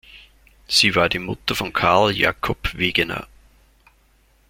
Sie war die Mutter von Carl Jacob Wegener.